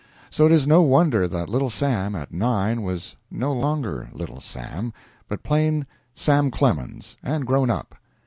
So it is no wonder that Little Sam, at nine, was no longer Little Sam, but plain Sam Clemens, and grown up.